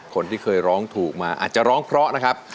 คนที่เคยร้องถูกมาอาจจะร้องเพราะนะครับ